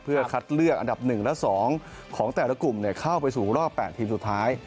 เพื่อคัดเลือกอันดับ๑และ๒ของแต่ละกลุ่มเข้าไปสู่รอบ๘ทีมสุดท้าย